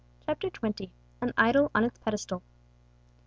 CHAPTER XX. AN IDOL ON ITS PEDESTAL.